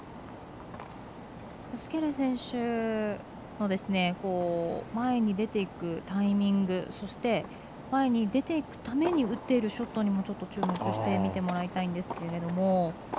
シュケル選手の前に出ていくタイミングそして前に出ていくために打っているショットにも注目して見てもらいたいんですけれども。